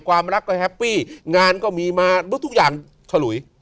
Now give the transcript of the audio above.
ความรักก็แฮปปี้งานก็มีมารู้สึกทุกอย่างขะหลุย